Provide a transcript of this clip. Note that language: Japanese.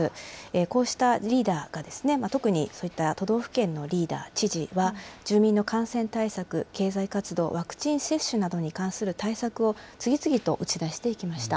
こうしたリーダーが、特に、そういった都道府県のリーダー、知事は、住民の感染対策、経済活動、ワクチン接種などに関する対策を次々と打ち出していきました。